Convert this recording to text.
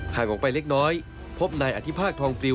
หากออกไปเล็กน้อยพบนายอธิภาคทองปลิว